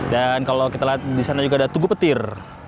dan kalau kita lihat disana juga ada tugu petir